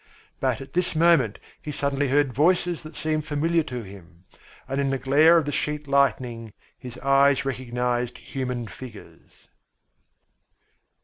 But at this moment he suddenly heard voices that seemed familiar to him, and in the glare of the sheet lightning his eyes recognised human figures.